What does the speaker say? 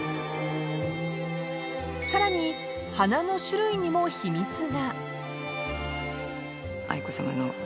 ［さらに花の種類にも秘密が］